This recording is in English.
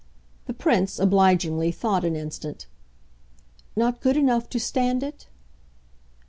The Prince, obligingly, thought an instant. "Not good enough to stand it?"